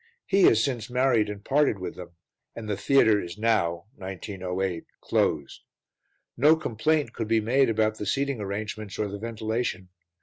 He has since married and parted with them and the theatre is now (1908) closed. No complaint could be made about the seating arrangements or the ventilation.